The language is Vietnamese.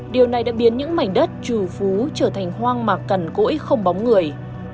điều này đã biến những mảnh đất trù phú trở thành hoang mà cằn cỗi không bóng người